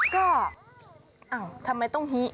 ก็ทำไมต้องฮิ